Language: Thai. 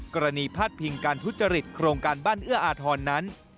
พาดพิงการทุจริตโครงการบ้านเอื้ออาทรนั้น